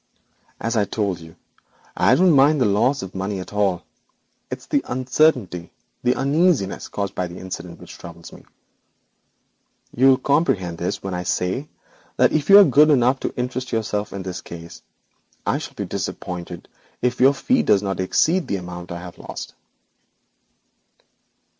'As I told you, I don't mind the loss of the money at all. It is the uncertainty, the uneasiness caused by the incident which troubles me. You will comprehend how little I care about the notes when I say that if you are good enough to interest yourself in this case, I shall be disappointed if your fee does not exceed the amount I have lost.'